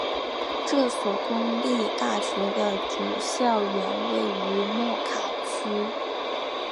这所公立大学的主校园位于莫卡区。